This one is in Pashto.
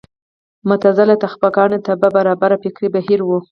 معتزله نخبه ګانو طبع برابر فکري بهیر و